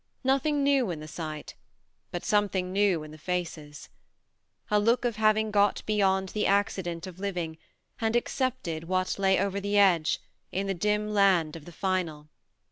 Nothing new in the sight but some thing new in the faces ! A look of having got beyond the accident of living, and accepted what lay over the edge, in the dim land of the final.